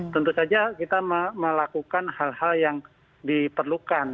tentu saja kita melakukan hal hal yang diperlukan